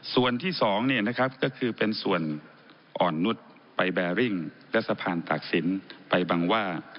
ส่วนที่๒ก็คือเป็นส่วนอ่อนนุษย์ไปแบริ่งและสะพานตากศิลป์ไปบังว่า